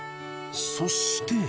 そして。